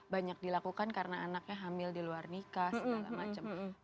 banyak dilakukan karena anaknya hamil di luar nikah segala macam